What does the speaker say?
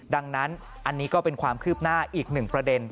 ดังนั้นอันนี้ก็เป็นความคืบหน้าอีกหนึ่งประเด็น